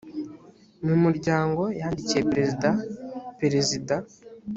mumuryango yandikiye perezida perezida